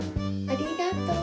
ありがとう！